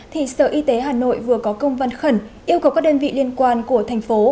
thì sở y tế hà nội vừa có công văn khẩn yêu cầu các đơn vị liên quan của thành phố